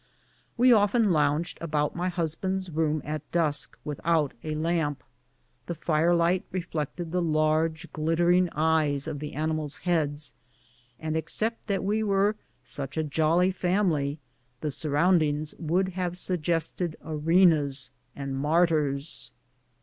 We often lounged about my husband's room at dusk 180 BOOTS AND SADDLES. without a lamp. The firelight reflected tlie large glit tering eyes of the animals' heads, and except that we were such a jolly family, the surroundings would have suggested arenas and martyrs.